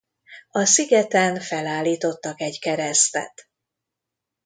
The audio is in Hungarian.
A szigeten felállítottak egy keresztet.